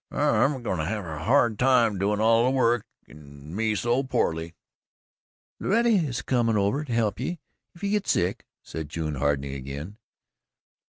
"I'm goin' ter have a hard time doin' all the work and me so poorly." "Lorrety is a comin' over to he'p ye, if ye git sick," said June, hardening again.